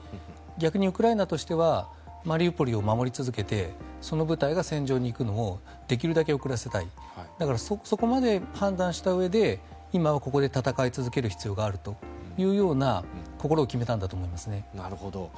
逆にウクライナとしてはマリウポリを守り続けてその部隊が戦場に行くのをできるだけ遅らせたいだから、そこまで判断したうえで今はここで戦い続ける必要があるというような心を決めたんだと思いますね。